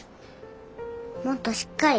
もっとしっかり。